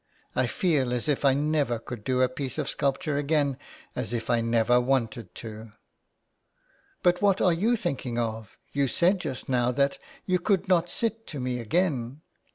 I feel as if I never could do a piece of sculpture again, as if I never wanted to. But what are you thinking of? You said just now that you could not sit to me again.